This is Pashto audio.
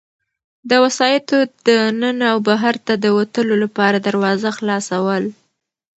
د وسایطو د ننه او بهرته د وتلو لپاره دروازه خلاصول.